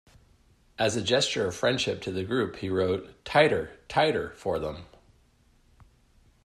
As a gesture of friendship to the group he wrote "Tighter, Tighter" for them.